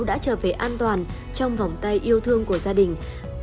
đã trở về an toàn trong vòng tay yêu thương của gia đình